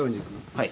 はい。